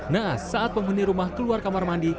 naas saat pembunuh rumah keluar kamar mandi